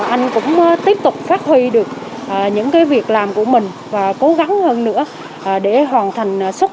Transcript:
anh cũng tiếp tục phát huy được những việc làm của mình và cố gắng hơn nữa để hoàn thành xuất